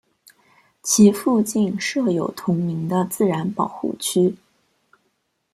其附近设有同名的自然保护区。